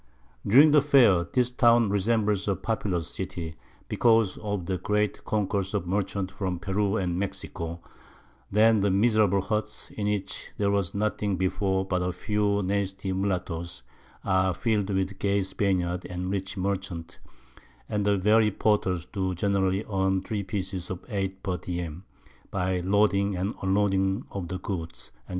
During the Fair, this Town resembles a populous City, because of the great Concourse of Merchants from Peru and Mexico; then the miserable Huts, in which there was nothing before but a few nasty Mullattoes, are fill'd with gay Spaniards, and rich Merchants, and the very Porters do generally earn 3 Pieces of 8 per Diem, by loading and unloading of Goods, _&c.